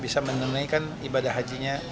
bisa menenangkan ibadah hajinya